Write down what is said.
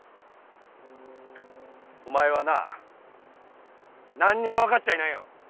お前はな何にも分かっちゃいないよ。